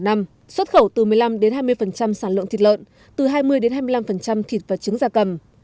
xuất khẩu từ một mươi năm hai mươi sản lượng thịt lợn từ hai mươi hai mươi năm thịt và trứng da cầm